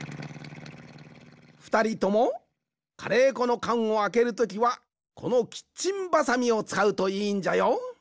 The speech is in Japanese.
ふたりともカレーこのかんをあけるときはこのキッチンバサミをつかうといいんじゃよ。